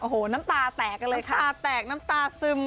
โอ้โหน้ำตาแตกกันเลยค่ะน้ำตาแตกน้ำตาซึมกันเลย